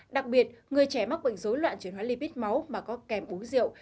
đặc biệt người trẻ mắc bệnh dối loạn chuyển hóa libit máu mà có kèm uống rượu